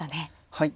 はい。